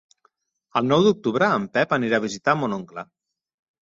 El nou d'octubre en Pep anirà a visitar mon oncle.